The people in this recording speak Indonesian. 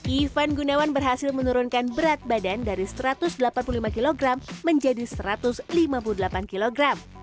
ivan gunawan berhasil menurunkan berat badan dari satu ratus delapan puluh lima kg menjadi satu ratus lima puluh delapan kg